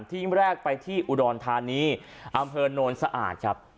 ที่แรกไปที่อุดรธานีอำเภอโนนสะอาดครับ